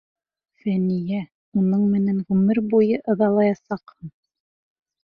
Фәниә, уның менән ғүмер буйы ыҙалаясаҡһың!